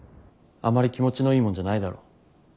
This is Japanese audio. あまり気持ちのいいもんじゃないだろ。